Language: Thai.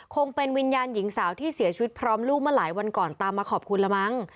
คงเป็นวิญญาณหญิงสาวที่เสียชีวิตพร้อมลูกเมื่อหลายวันก่อนตามมาขอบคุณละมั้ง